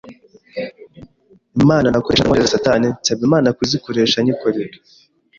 ’Impano nakoreshaga nkorera satani nsab’Imana kuzikoresha nyikorera